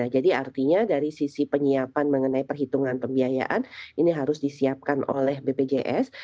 jadi artinya dari sisi penyiapan mengenai perhitungan pembiayaan ini harus disiapkan oleh bpjs